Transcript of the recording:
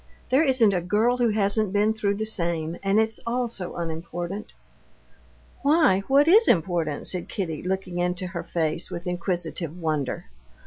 "There isn't a girl who hasn't been through the same. And it's all so unimportant." "Why, what is important?" said Kitty, looking into her face with inquisitive wonder.